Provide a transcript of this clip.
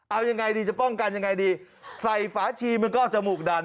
เอายังไงดีจะป้องกันยังไงดีใส่ฝาชีมันก็เอาจมูกดัน